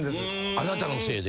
「あなたのせいで」